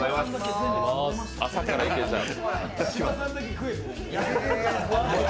朝からいけちゃう。